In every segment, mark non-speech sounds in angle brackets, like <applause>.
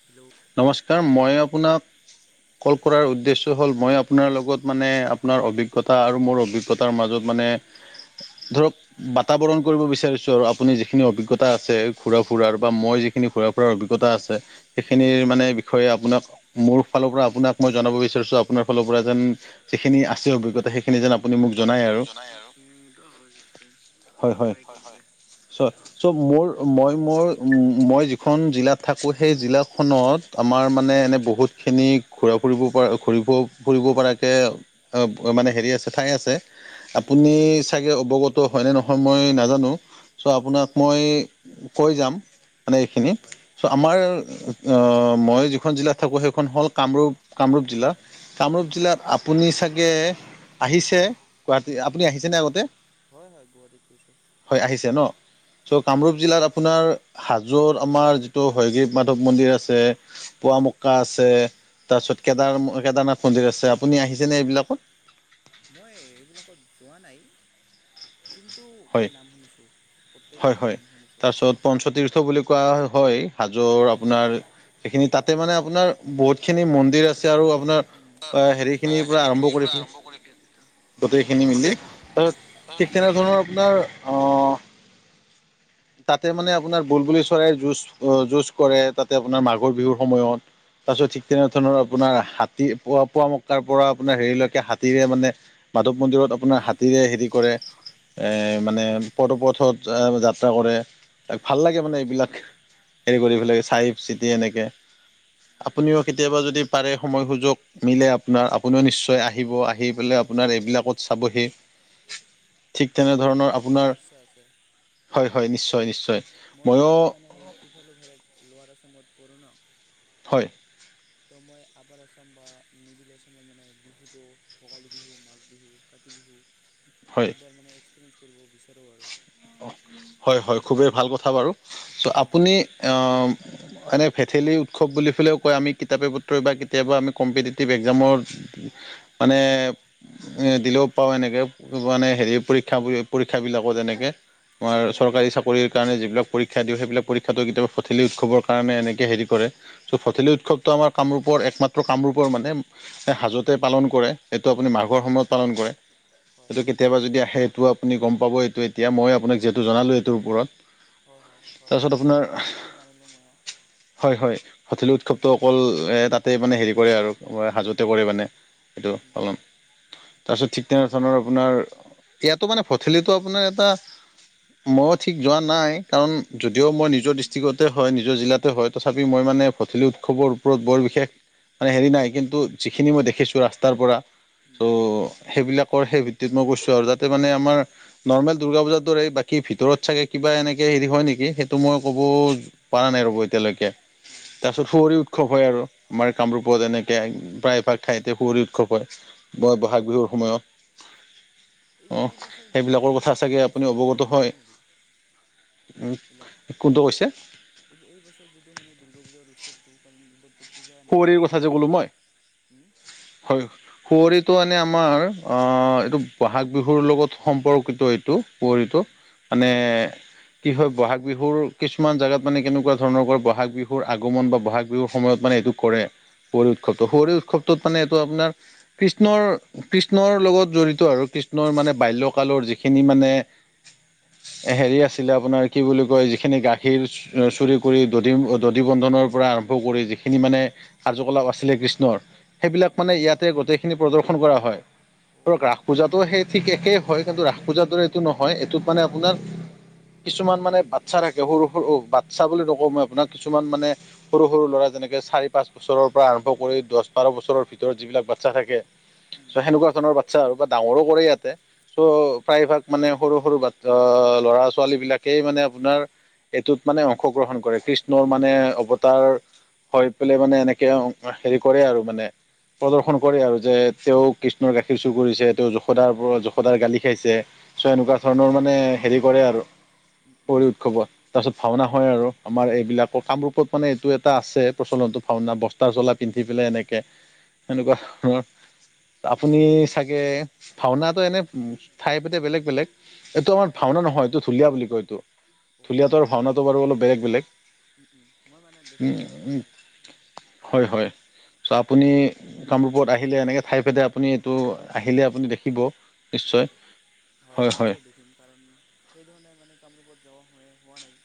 Hello, নমস্কাৰ মই আপোনাক কল কৰাৰ উদ্দেশ্য হ'ল মই আপোনাৰ লগত মানে আপোনাৰ অভিজ্ঞতা আৰু মোৰ অভিজ্ঞতা সিহঁতৰ মাজত মানে ধৰক বাতা বৰণ কৰিব বিচাৰিছো। আপুনি যিখিনি অভিজ্ঞতা আছে ঘুৰা ফুৰাৰ বা মই যিখিনি ঘুৰা ফুৰাৰ অভিজ্ঞতা আছে। সেইখিনিৰ মানে বিষয়ে আপোনাক মোৰ ফালৰ পৰা আপোনাক মই জনাব বিচাৰিছো আপোনাৰ ফালৰ পৰা যেন যিখিনি আছে অভিজ্ঞতা সেইখিনি যেন আপুনি মোক জনায় আৰু আপুনি মোক জনাই আৰু হয় কট কি হয় - হয়। <unintelligible> ত' মোৰ মই মোৰ মই যিখন জিলাত থাকো সেই জিলাখনত আমাৰ মানে এনেই বহুতখিনি ঘূৰা ফুৰিব পৰা ঘূৰিব ফুৰিব পৰাকে মানে হেৰি আছে ঠাই আছে। আপুনি চাগে অৱগত হয় নে নহয় মই নাজানো চ' আপোনাক মই কৈ যাম মানে এইখিনি চ' আমাৰ অ, মই যিখন জিলাত থাকো সেইখন হ'ল কামৰূপ - কামৰূপ জিলা। কামৰূপ জিলাত আপুনি চাগে আহিছে গুৱাহাটী আপুনি আহিছেনে আগতে। হয় আহিছে ন চ' কামৰূপ জিলাত আপোনাৰ হাজোৰ আমাৰ যিটো হয়গ্ৰিব মাধৱ মন্দিৰ আছে। পুৱামক্কা আছে তাৰপিছত কেদাৰ - কেদাৰনাথ মন্দিৰ আছে আপুনি আহিছেনে এইবিলাকত? মই এইবিলাকত যোৱা নাই। কিন্তু হয় মই নাম শুনিছো হয় প্ৰত্যেকটোৰে হয় নাম শুনিছো। তাৰপিছত পঞ্চতীৰ্থ বুলি কোৱা হয় হাজৰ আপোনাৰ সেইখিনি তাতে মানে আপোনাৰ বহুত খিনি মন্দিৰ আছে আপোনাৰ হেখিনিৰ হেৰি আৰম্ভ খিনিৰ পৰা কৰিপেলে আৰম্ভ কৰি গোটেইখিনি মিলি গোটেই তাৰ ঠিক তেনেধৰণৰ আপোনাৰ অ, তাতে মানে আপোনাৰ বুলবুলি চৰাইৰ যুঁজ - যুঁজ কৰে তাতে আপোনাৰ মাঘৰ বিহুৰ সময়ত। তাৰপিছত ঠিক তেনে ধৰণৰ আপোনাৰ হাতী পোৱা পুৱা মকাৰ পৰা আপোনাৰ হেৰিলৈকে হাতীৰে মানে মাধৱ মন্দিৰত আপোনাৰ হাতীৰে হেৰি কৰে। এ মানে পদপথত যাত্ৰা কৰে ত ভাল লাগে মানে এইবিলাক। হেৰি কৰি পেলাই চাই চিতি এনেকে। আপুনিও কেতিয়াবা যদি পাৰে সময় সুযোগ মিলে আপোনাৰ আপুনিও নিশ্চয় আহিব। আহি পেলাই আপোনাৰ এইবিলাকত চাবহি ঠিক হয় তেনেধৰণৰ মোৰ এবাৰ আপোনাৰ ইচ্ছা আছে। হয়- হয় নিশ্চয় - নিশ্চয়। মই ময়ো - মই মানে ইফালে ধৰে ল'ৰাচমত পৰো ন। হয়। ত' মই আপাৰ আছাম বা মিডিল আছামত মানে বিহুটো ভোগালী বিহু মাঘ বিহু কাতি বিহু হয় এইবাৰ মানে এক্সপেৰিয়েঞ্চ কৰিব বিচাৰো আৰু। হয় - হয় খুবেই ভাল কথা বাৰু ত' আপুনি অম এনে ভেথেলী উৎসৱ বুলি পেলাইও কয় আমি কিতাপে পত্ৰই বা কেতিয়াবা আমি কম্পিটিটিভ এক্সামৰ মানে এ দিলেও পাও এনেকে মানে হেৰি পৰীক্ষা- পৰীক্ষা বিলাকত এনেকে। তোমাৰ চৰকাৰী চা চাকৰিৰ কাৰণে যিবিলাক পৰীক্ষা দিও সেইবিলাক পৰীক্ষাটো কেতিয়াবা ভঠিলি উৎসৱৰ কাৰণে এনেকে হেৰি কৰে। চ' ভঠেলি উৎসৱটো আমাৰ কামৰূপৰ একমাত্ৰ কামৰূপৰ মানে এ হাজোত পালন কৰে সেইটো আপুনি মাঘৰ সময়ত পালন কৰে সটো কেতিয়াবা যদি আহে সেইটো আপুনি গম পাব এইটো এতিয়া মই আপোনাক যিহেতু জনালো এইটোৰ ওপৰত। হয়- হয়- হয় তাৰপিছত আপোনাৰ এতিয়া- এতিয়াহে জানিলো মই আৰু হয় - হয় ভঠেলী উৎসৱটোটো অকল এ তাতে মানে হেৰি কৰে আৰু। হাজোতে কৰে মানে সেইটো পালন। তাৰপিছত ঠিক তেনে ধৰণৰ আপোনাৰ, ইয়াতো মানে <unintelligible> থেলিটো আপোনাৰ এটা মইও ঠিক যোৱা নাই, কাৰণ যদিও মই নিজৰ দৃচ কতে হয় নিজৰ জিলাতে হয়, তথাপি মই মানে ভঠেলি উৎসৱৰ ওপৰত বৰ বিশেষ মানে হেৰি নাই, কিন্তু যিখিনি মই দেখিছো ৰাস্তাৰ পৰা ত', সেইবিলাকৰ সেই ভিত্তিত মই কৈছো আৰু যাতে মানে আমাৰ নৰ্মেল দূৰ্গা পূজাত দৰে বাকী ভিতৰত চাগে কিবা এনেকে হেৰি হয় নেকি, সেইটো মই ক'ব পৰা নাই ৰ'ব এতিয়ালৈকে। হয়-হয়। তাৰ পাছত শুৱৰী উৎসৱ হয় আৰু আমাৰ কামৰূপত এনেকে প্ৰায়ভাগ ঠাইতে শুৱৰি উৎসৱ হয়, ব বহাগ বিহুৰ সময়ত। অ', সেইবিলাকৰ কথা চাগে আপুনি অৱগত হয়, উম, কোনটো কৈছে? এইব এই বছৰত যিটো মানে দুৰ্গা পূজাৰ উৎসৱটো কাৰণ এইবাৰটো পূজা সুঁৱৰিৰ কথা নহ'লেই যে ক'লো তেনেকৈ, মই। উম। হয়, শুৱৰিটো মানে আমাৰ অ', এইটো বহাগ বিহুৰ লগত সম্পৰ্কিত এইটো শুৱৰিটো মানে কি হয় বহাগ বিহুৰ কিছুমান জাগাত মানে কেনেকুৱা ধৰণৰ কৰে বহাগ বিহুৰ আগমন বা বহাগ বিহুৰ সময়ত মানে এইটো কৰে, সুঁৱৰি উৎসৱটো সুঁৱৰি উৎসৱটোত মানে এইটো আপোনাৰ কৃষ্ণৰ কৃষ্ণৰ লগত জড়িত আৰু কৃষ্ণৰ মানে বাল্যকালৰ যিখিনি মানে হেৰি আছিলে আপোনাৰ কি বুলি কয় যিখিনি গা খীৰ চুৰি কৰি দধী-দধী বন্ধনৰ পৰা আৰম্ভ কৰি যিখিনি মানে কাৰ্যকলাপ আছিলে কৃষ্ণৰ, সেইবিলাক মানে ইয়াতে গোটেইখিনি প্ৰদৰ্শন কৰা হয়। আৰু ৰাস পূজাতো সেই ঠিক একেই হয়, কিন্তু ৰাস পূজাৰ দৰে এইটো নহয়, এইটোত মানে আপোনাৰ কিছুমান মানে বাচ্ছা থাকে সৰু-সৰু, বাচ্ছা বুলি নকওঁ মই আপোনাৰ কিছুমান মানে সৰু- সৰু ল'ৰা যেনেকে চাৰি পাচ বছৰৰ পৰা আৰম্ভ কৰি দছ বাৰ বছৰৰ ভিতৰত যিবিলাক বাচ্ছা থাকে। চ', সেনেকুৱা ধৰণৰ বাচ্ছা আৰু বা ডাঙৰো কৰে ইয়াতে, চ' প্ৰায়ভাগ মানে সৰু- সৰু বাতচা ল'ৰা ছোৱালী বিলাকেই মানে আপোনাৰ এইটোত মানে অংশগ্ৰহণ কৰে, কৃষ্ণৰ মানে অৱতাৰ হৈ পেলাই মানে এনেকে হেৰি কৰে আৰু মানে। প্ৰদৰ্শন কৰে আৰু, যে তেওঁ কৃষ্ণৰ গাখীৰ চুৰ কৰিছে তেওঁ যসোদাৰ পৰা যসোদাৰ গালি খাইছে। চ'এনেকুৱা ধৰণৰ মানে হেৰি কৰে আৰু সুঁৱৰি উৎসৱত। তাৰপিছত ভাওনা হয় আৰু আমাৰ এইবিলাকৰ কামৰূপত মানে এইটো এটা আছে প্ৰচনটো। ভাওনা বস্তা চলা পিন্ধি পেলাই এনেকে, এনেকুৱা ধৰণৰ আপুনি চাগে ভাওনাটো এনে ঠাই সৈতে বেলেগ- বেলেগ। এইটো আমাৰ ভাওনা নহয়, এইটো ঢুলীয়া বুলি কয় এইটো। ঢুলীয়াতৰ ভাওনাটো বাৰু অলপ বেলেগ- বেলেগ, উম, উম। হয়- হয়। চ', আপুনি কামৰূপত আহিলে এনেকে ঠাই ভেদে আপুনি এইটো আহিলে আপুনি দেখিব। হয়- নিশ্চয় হয়- হয় নিশ্চয় দেখিম কাৰণ সেইধৰণে মানে কামৰূপত যোৱা হোৱাই হোৱা নাই।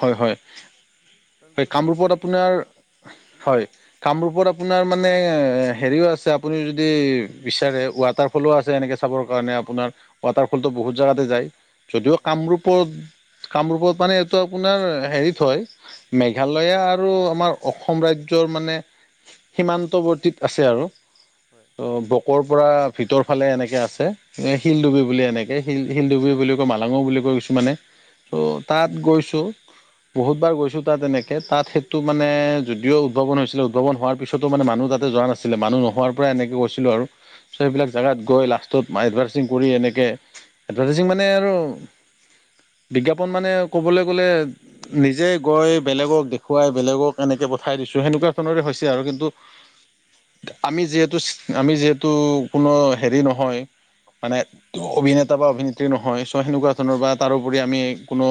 হয়- হয়, এই কামৰূপত আপোনাৰ, হয়। কামৰূপত আপোনাৰ মানে হেৰিও আছে, আপুনি যদি বিচাৰে ৱাটাৰ ফলো আছে এনেকে চাবৰ কাৰণে আপোনাৰ, ৱাটাৰ ফলটো বহুত জাগাতে যায়। যদিও কামৰূপত- কামৰূপত মানে এইটো আপোনাৰ হেৰিত হয়। মেঘালয়া আৰু আমাৰ অসম ৰাজ্যৰ মানে সীমান্তৱৰ্তীত আছে আৰু হয়। অ বকৰ পৰা ভিতৰ ফালে এনেকে আছে, শিল ডুবি বুলি এনেকে শিল শিল ডুবি বুলি কয় মা লাঙো বুলি কয় কিছুমানে, ত' তাত গৈছোঁ। বহুত বাৰ গৈছোঁ তাত এনেকে, তাত সেইটো মানে যদিও উদ্ভাৱন হৈছিলে উদ্ভাৱন হোৱাৰ পিছতো মানে মানুহ তাতে যোৱা নাছিল আছিলে মানুহ নোহোৱাৰ পৰাই এনেকে গৈছিলোঁ আৰু সেইবিলাক জেগাত গৈ লাষ্টত এডভাৰটাইচিং কৰি এনেকে, এডভাৰটাইজিং মানে আৰু বিজ্ঞাপন মানে ক'বলে গ'লে নিজে গৈ বেলেগক দেখুৱাই, বেলেগক এনেকে পঠাই দিছোঁ সেনেকুৱা ধৰণৰে হৈছে আৰু কিন্তু <unintelligible> আমি যিহেতু আমি যিহেতু কোনো হেৰি নহয়। মানে ত অভিনেতা বা অভিনেত্ৰী নহয়। ছ' সেনেকুৱা ধৰণৰ বা তাৰোপৰি আমি কোনো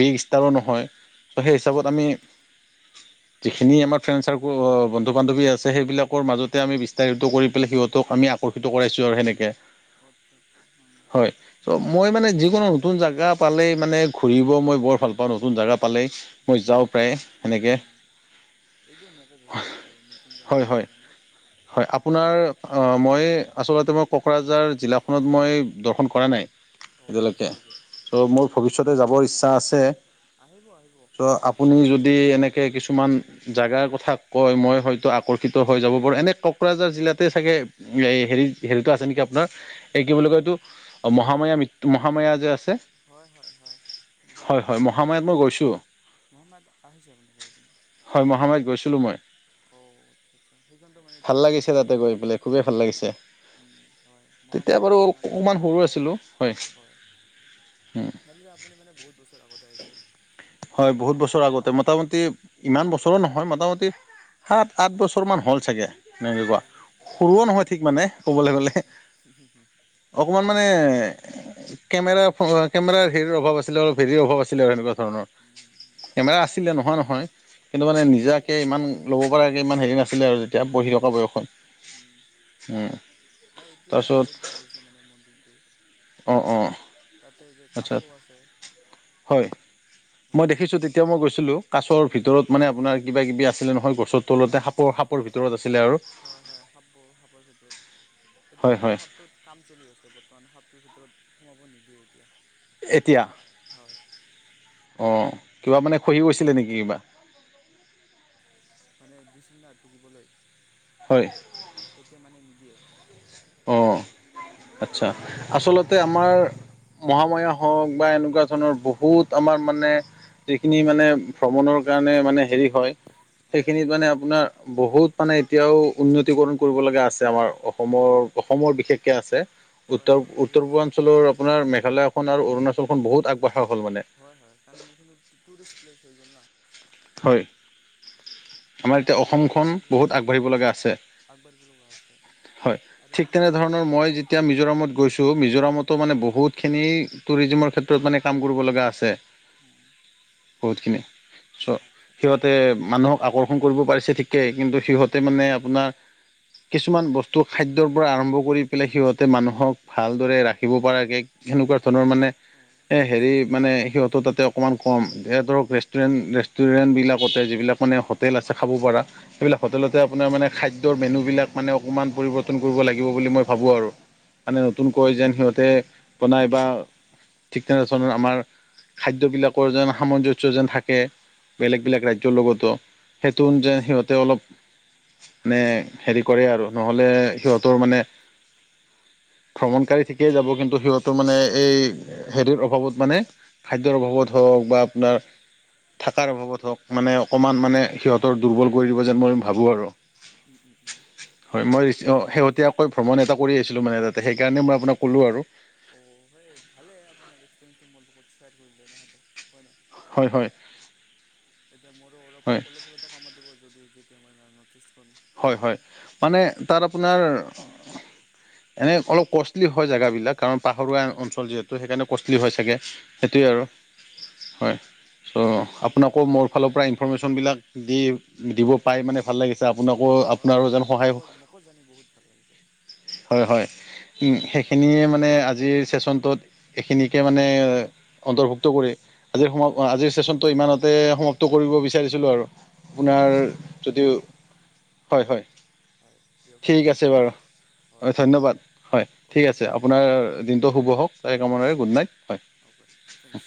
বিগ ষ্টাৰো নহয়। ত' সেই হিচাপত আমি যিখিনি আমাৰ ফ্ৰেণ্ড চাৰ্ক বন্ধু-বান্ধৱী আছে, সেইবিলাকৰ মাজতে আমি ইস্তাৰিত কৰিপেলাই সিহঁত আমি আকৰ্ষিত কৰাইছোঁ আৰু সেনেকে। <unintelligible> ত' মই মানে যিকোনো নতুন জাগা পালেই মানে ঘূৰিব মই বৰ ভাল পাওঁ নতুন জাগা পালেই মই যাওঁ প্ৰায়ে সেনেকে। সেইটোও মোকো বহুত ভাল লাগে নতুন জাগা হয় পালে হয় মানে। হয় আপোনাৰ মই, আচলতে মই কোকৰাঝাৰ জিলাখনত মই দৰ্শন কৰা নাই। এতিয়ালৈকে, ত' মোৰ ভৱিষ্যতে যাবৰ ইচ্ছা আছে আহিব আহিব। তো আপুনি যদি এনেকে কিছুমান জাগাৰ কথা কয়। মই হয়তো আকৰ্ষিত হৈ যাব পাৰো। এনে কোকৰাঝাৰ জিলাতে চাগে হেৰি হেৰিতটো আছে নেকি আপোনাৰ এই কি বুলি কয় এইটো, মহামায়া মৃত্যু মহাময়া যে আছে। হয়, হয়, হয়। হয়, হয়। মহামায়াত মই গৈছোঁ। হয় মহামায়াত গৈছিলোঁ মই। ভাল লাগিছে তাতে গৈ পেলাই, খুবেই ভাল লাগিছে। তেতিয়া বাৰু অকমান সৰু আছিলোঁ হয়, উম। এয়ালে যে আপুনি মানে বহুত বছৰ আগতে আহিছে। হয় বহুত বছৰ আগতে, মোটামুটি ইমান বছৰো নহয় মোটামুটি সাত-আঠ বছৰমান হ'ল চাগে? এনেকে কোৱা সৰুও নহয় ঠিক মানে ক'বলে গ'লে। অকমান মানে কেমেৰা <unintelligible> কেমেৰা অভাৱ আছিলে অলপ হেৰিৰ অভাৱ আছিলে আৰু সেনেকুৱা ধৰণৰ। কেমেৰা আছিলে নোহোৱা নহয়। কিন্তু মানে নিজাকে ইমান ল'ব পৰাকে ইমান হেৰি নাছিলে আৰু যেতিয়া পঢ়ি থকা বয়সত। উম। উম। নাই এতিয়া আৰু তাৰপিছত বহুত ভাল হৈছে মানে মন্দিৰটো, অ অ তাতে যে কাছ আচ্ছা আছে, হয় মই দেখিছো তেতিয়া মই গৈছিলো, কাছৰ ভিতৰত মানে আপোনাৰ কিবা কিবি আছিলে নহয় গছত তলতে সাপৰ-সাপৰ ভিতৰত আছিলে আৰু এতিয়া হয় মানে হয় হাপটোত কাম চলি আছে বৰ্তমান, হাপটোৰ ভিতৰত সোমাব নিদিয়ে এতিয়া। এতিয়া, অ কিবা মানে খহি গৈছিলে নেকি কিবা। মানে দিছিল না টুকিবলৈ? হয়। এতিয়া মানে নিদিয়ে। অ আচ্ছা আচলতে আমাৰ মহাময়া হওক বা এনেকুৱা ধৰণৰ বহুত আমাৰ মানে যিখিনি মানে ভ্ৰমণৰ কাৰণে মানে হেৰি হয় সেইখিনিত মানে আপোনাৰ বহুত মানে এতিয়াও উন্নতিকৰণ কৰিব লগা আছে, আমাৰ অসমৰ অসমৰ বিশেষকে আছে, উত্তৰ উত্তৰ-পূৰ্বাঞ্চলৰ আপোনাৰ মেঘালয়খন আৰু অৰুণাচলখন বহুত আগবঢ়া হ'ল মানে হয় হয় কাৰণ এইখিন টুৰিষ্ট প্লেচ হৈ গ'ল না। হয়, আমাৰ এতিয়া অসমখন বহুত আগবাঢ়িব লগা আছে। বাছে। হয় ঠিক তেনেধৰণৰ মই যেতিয়া মিজোৰামত গৈছো মিজোৰামতো মানে বহুত খিনি টুৰিজিযামৰ ক্ষেত্ৰত মানে কাম কৰিব লগা আছে। উম বহুতখিনি চ সিহঁতে মানুহক আকৰ্ষণ কৰিব পাৰিছে ঠিকেই কিন্তু সিহঁতে মানে আপোনাৰ কিছুমান বস্তু খাদ্যৰ পৰা আৰম্ভ কৰি পেলাই সিহঁতে মানুহক ভালদৰে ৰাখিব পৰাকে সেনেকুৱা ধৰণৰ মানে এ হেৰি মানে সিহঁতৰ তাতে অকণমান কম এ ধৰক ৰেুষ্টুৰেণ্ট ৰেষ্টুৰেণ্ট বিলাকতে যিবিলাক মানে হোটেল আছে খাব পাৰা। সেইবিলাক হোটেলতে আপোনাৰ মানে খাদ্যৰ মেনু বিলাক মানে অকমান পৰিৱৰ্তন কৰিব লাগিব বুলি মই ভাবো আৰু মানে নতুনকৈ যেন সিহতে বনাই বা ঠিক তেনেৰচণৰ আমাৰ খাদ্যবিলাকৰ যেন সামঞ্জস্য যেন থাকে। বেলেগ বেলেগ ৰাজ্যত লগতো সেইটো যে সিহঁতে অলপ মানে হেৰি কৰে আৰু নহলে সিহঁতৰ মানে ভ্ৰমণকাৰী ঠিকেই যাব কিন্তু সিহঁতো মানে এই হেৰিৰ অভাৱত মানে খাদ্যৰ অভাৱত হওক বা আপোনাৰ থকাৰ অভাৱত হওক মানে অকণমান মানে সিহঁতৰ দুৰ্বল কৰি দিব যেন মই ভাবোঁ আৰু উম উম উম হয় মই অ শেহতীয়াকৈ ভ্ৰমণ এটা কৰি আছিলো মানে তাতে সেইকাৰণে মই আপোনাক কলো আৰু অ সেই ভালে আপোনাৰ এক্সপেৰিস তো মোৰ লগত শ্বেয়াৰ কৰিলে তেহেতে হয় হয় হয় নাই, তেতিয়া মোৰো অলপ হয় অলপ অলপ হলো কামত দিব যদি যেতিয়া মই নৰ্থ ইষ্টখন হয় হয় ফুৰিম। মানে তাত আপোনাৰ, এনে অলপ কষ্টলি হয় জেগাবিলাক। কাৰণ পাহৰুৱা অঞ্চল যিহেতু সেইকাৰণে কষ্টলি হয় চাগে সেইটোৱেই আৰু হয় ছ' আপোনাকো মোৰ ফালৰ পৰা ইনফৰৰ্মেশ্যন বিলাক দি দিব পায় মানে ভাল লাগিছে। আপোনাকো আপোনাৰো যেন সহায় হক হয় হয় উম সেইখিনিয়ে মানে আজিৰ চেচনটোত এইখিনিকে মানে অন্তৰ্ভুক্ত কৰি আজিৰ সময় আজিৰ চচন টো ইমানতে সমাপ্ত কৰিব বিচাৰিছিলোঁ আৰু আপোনাৰ যদি হয় হয় ঠিক আছে বাৰু ধন্যবাদ হয় ঠিক আছে আপোনাৰ দিনটো শুভ হওক তাৰেই কামৰে গুড নাইট হয় অকে থেংকছ